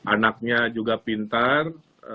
anaknya juga pintar